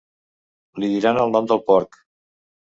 Li diran el nom del porc.